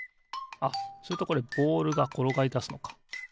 あっするとこれボールがころがりだすのか。